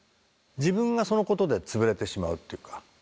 自分がそのことで潰れてしまうっていうか。